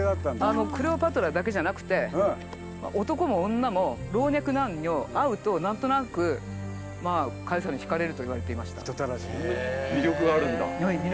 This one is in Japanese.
クレオパトラだけじゃなくて男も女も老若男女会うと何となくカエサルに引かれるといわれていました。